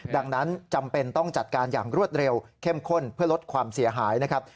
ดังนั้นจำเป็นต้องจัดการอย่างรวดเร็วเข้มข้นเพื่อลดความเสียหายนะครับ